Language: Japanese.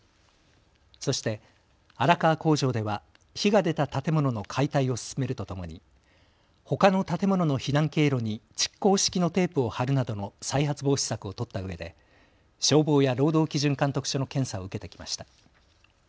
そして荒川工場では、火が出た建物の解体を進めるとともにほかの建物の避難経路に蓄光式のテープを貼るなどの再発防止策を取ったうえで消防や労働基準監督署の検査を受けてきました。